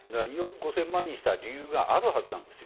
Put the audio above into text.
２億５０００万円にした理由があるはずなんです。